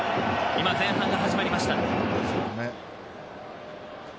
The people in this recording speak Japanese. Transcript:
今、前半が始まりました。